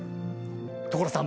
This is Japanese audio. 所さん！